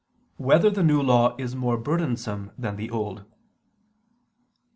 4] Whether the New Law Is More Burdensome Than the Old?